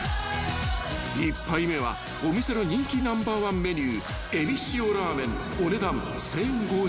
［１杯目はお店の人気ナンバーワンメニュー］